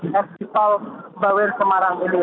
hospital bawir semarang ini